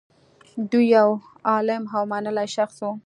دی یو عالم او منلی شخص و